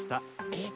えっ？